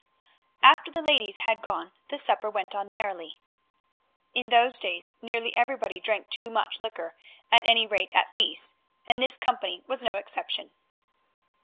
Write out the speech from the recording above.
After the ladies had gone the supper went on merrily. In those days, nearly everybody drank too much liquor, at any rate at feasts, and this company was no exception.